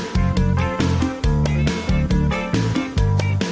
สวัสดีค่ะ